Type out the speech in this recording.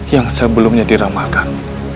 yang sebelumnya diramahkan